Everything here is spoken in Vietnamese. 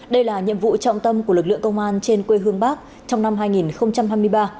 đây là nhiệm vụ trọng tâm của lực lượng công an trên quê hương bắc trong năm hai nghìn hai mươi ba